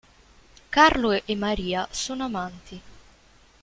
Carlo e Maria sono amanti.